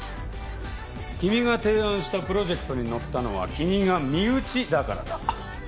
君が提案したプロジェクトに乗ったのは君が身内だからだ。